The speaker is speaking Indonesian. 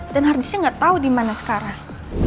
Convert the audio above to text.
dan hardisknya gak tau dimana sekarang